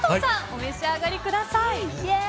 お召し上がりください。